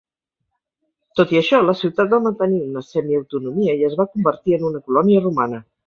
Tot i això, la ciutat va mantenir una semiautonomia i es va convertir en una colònia romana.